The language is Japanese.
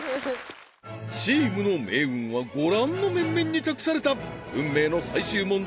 チームの命運はご覧の面々に託された運命の最終問題